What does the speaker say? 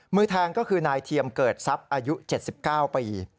มือแทงก็คือนายเทียมเกิดทรัพย์อายุ๗๙ปี